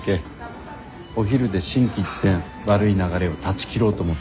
お昼で心機一転悪い流れを断ち切ろうと思っていつもと違うものを。